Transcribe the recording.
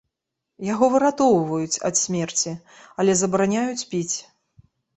Яго выратоўваюць ад смерці, але забараняюць піць.